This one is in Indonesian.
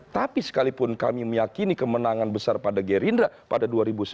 tapi sekalipun kami meyakini kemenangan besar pada gerindra pada dua ribu sembilan belas